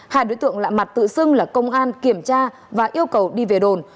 hai đối tượng lạ mặt tự xưng là công an kiểm tra và yêu cầu đi về đồn